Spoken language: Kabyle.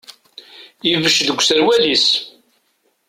Ibecc deg userwal-is.